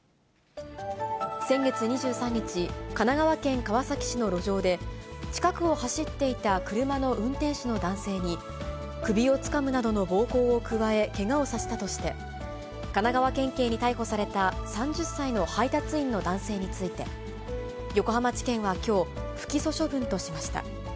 先月２３日、神奈川県川崎市の路上で、近くを走っていた車の運転手の男性に、首をつかむなどの暴行を加え、けがをさせたとして、神奈川県警に逮捕された３０歳の配達員の男性について、横浜地検はきょう、不起訴処分としました。